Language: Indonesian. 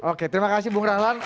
oke terima kasih bung rahlan